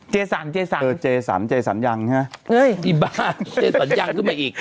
เจสันเจสันเออเจสันเจสันยังฮะอีบ้าเจสันยังขึ้นมาอีก